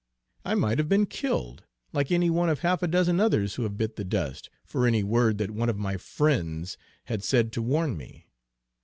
I might have been killed, like any one of half a dozen others who have bit the dust, for any word that one of my 'friends' had said to warn me.